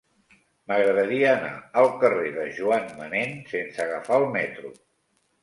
M'agradaria anar al carrer de Joan Manén sense agafar el metro.